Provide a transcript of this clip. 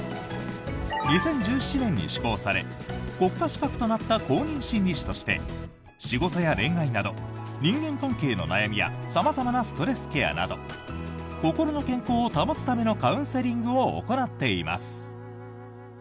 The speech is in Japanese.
２０１７年に施行され国家資格となった公認心理師として仕事や恋愛など人間関係の悩みや様々なストレスケアなど心の健康を保つためのカウンセリングを行っています。